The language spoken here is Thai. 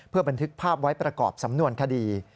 เพื่อบันทึกภาพไว้ประกอบสำนวนคดี